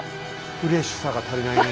フレッシュさが足りないねえ。